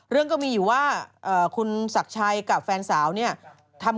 เป็นชาวจังหวัดอุดรณฑานีพร้อมเพื่อนสุนักอีก๒ตัว